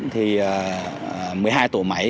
thì một mươi hai tổ máy